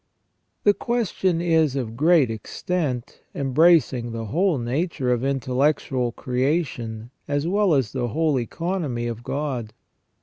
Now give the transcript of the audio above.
The question is of great extent, embracing the whole nature of intellectual creation as well as the whole economy of God.